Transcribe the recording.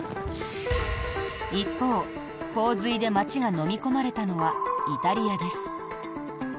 一方、洪水で街がのみ込まれたのはイタリアです。